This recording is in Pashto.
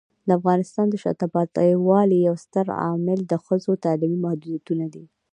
د افغانستان د شاته پاتې والي یو ستر عامل د ښځو تعلیمي محدودیتونه دي.